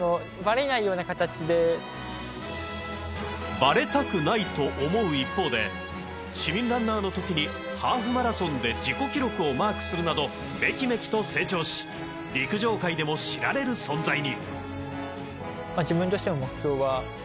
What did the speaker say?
ばれたくないと思う一方で市民ランナーのときにハーフマラソンで自己記録をマークするなどめきめきと成長し、陸上界でも知られる存在に。